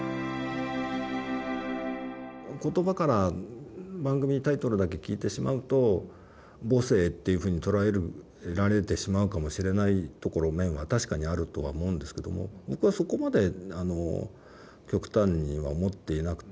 言葉から番組タイトルだけ聞いてしまうと母性っていうふうに捉えられてしまうかもしれない面は確かにあるとは思うんですけども僕はそこまで極端には思っていなくて。